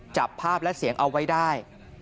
จับภาพและเสียงเอาไว้ได้